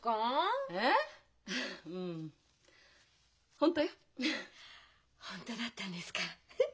本当だったんですかフフッ。